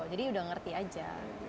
jadi sudah mengerti saja